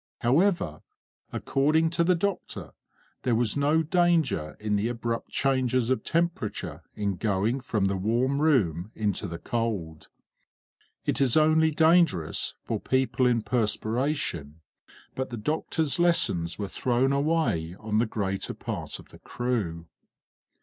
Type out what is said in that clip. However, according to the doctor, there was no danger in the abrupt changes of temperature in going from the warm room into the cold. It is only dangerous for people in perspiration; but the doctor's lessons were thrown away on the greater part of the crew.